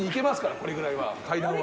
これぐらいは階段は。